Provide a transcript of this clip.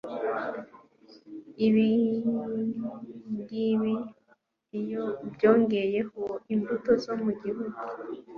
Ibingibi iyo ubyongeyeho imbuto zo mu gihugu